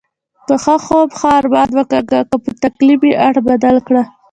په خوب ښه ارمان وکاږه، که په تکلیف یې اړخ بدل کړه.